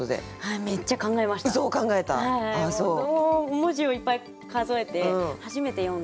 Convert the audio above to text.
文字をいっぱい数えて初めて詠んだので。